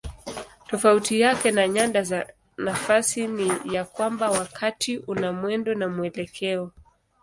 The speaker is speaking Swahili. Tofauti yake na nyanda za nafasi ni ya kwamba wakati una mwendo na mwelekeo.